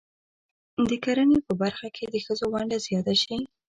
د کرنې په برخه کې د ښځو ونډه زیاته شي.